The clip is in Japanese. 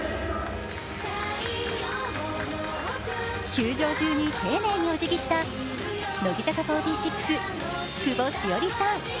球場中に丁寧にお辞儀した乃木坂４６・久保史緒里さん。